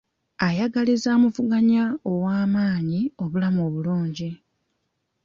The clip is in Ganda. Ayagaliza amuvuganya ow'amaanyi, obulamu obulungi.